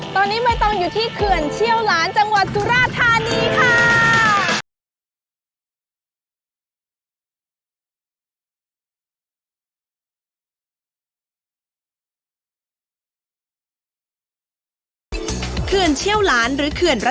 ตอนนี้ไม่ต้องอยู่ที่เขื่อนเชี่ยวหลานจังหวัดสุราธานีค่ะ